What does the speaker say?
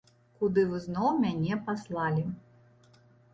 Куды вы зноў мяне паслалі.